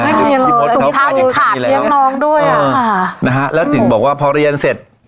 ใช่มีเลยพี่มดตุ๊กท่ายังขาดเนี้ยน้องด้วยอ่ะอ่านะฮะแล้วสิ่งบอกว่าพอเรียนเสร็จ